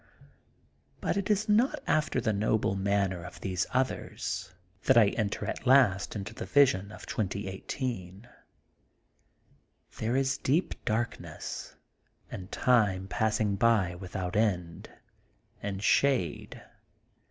But it is not after the noble manner of these others that I enter at last into the vision of 2018. There is deep darkness^ and time passing by without end, and shade.